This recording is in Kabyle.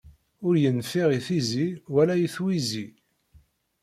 Ur yenfiɛ i tizi wala i twizi.